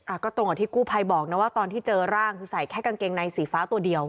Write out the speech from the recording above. ตรงกับที่กู้ภัยบอกนะว่าตอนที่เจอร่างคือใส่แค่กางเกงในสีฟ้าตัวเดียว